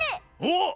おっ！